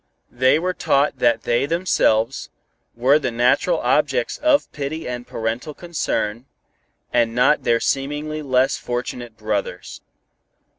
They were taught that they themselves, were the natural objects of pity and parental concern, and not their seemingly less fortunate brothers.